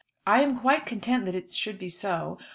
I am quite content that it should be so.